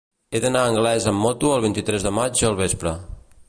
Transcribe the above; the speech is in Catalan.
He d'anar a Anglès amb moto el vint-i-tres de maig al vespre.